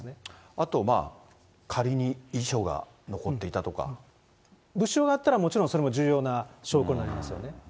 あとまあ、仮に遺書が残っていたとか。物証があったら、もちろんそれも重要な証拠になりますよね。